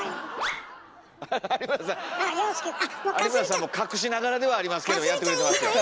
有村さんも隠しながらではありますけどやってくれてますよ。